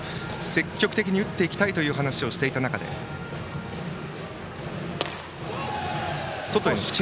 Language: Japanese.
積極的に打っていきたいという話をしていました。